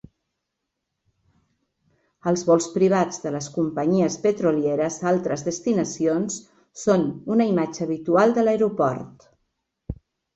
Els vols privats de les companyies petrolieres a altres destinacions són una imatge habitual de l'aeroport.